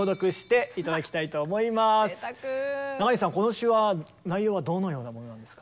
中西さんこの詩は内容はどのようなものなんですか？